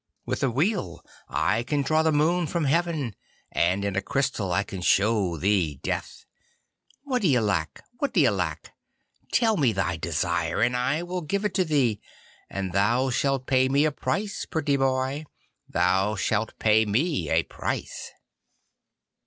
With a wheel I can draw the Moon from heaven, and in a crystal I can show thee Death. What d'ye lack? What d'ye lack? Tell me thy desire, and I will give it thee, and thou shalt pay me a price, pretty boy, thou shalt pay me a price.